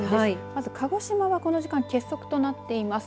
まず鹿児島はこの時間、欠測となっています。